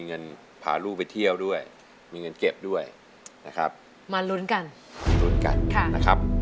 เงินพาลูกไปเที่ยวด้วยมีเงินเก็บด้วยนะครับมาลุ้นกันมาลุ้นกันนะครับ